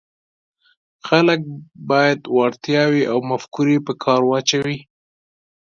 خلک باید وړتیاوې او مفکورې په کار واچوي.